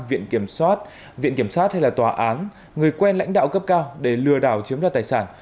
viện kiểm soát viện kiểm sát hay là tòa án người quen lãnh đạo cấp cao để lừa đảo chiếm đoạt tài sản